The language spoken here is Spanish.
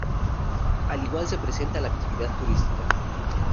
Al igual se presenta la actividad turística.